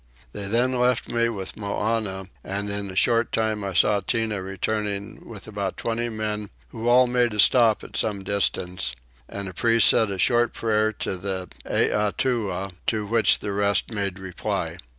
They then left me with Moannah and in a short time I saw Tinah returning with about twenty men who all made a stop at some distance, and a priest said a short prayer to the Eatua, to which the rest made reply.